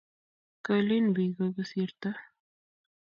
Ko lin biik kokosirto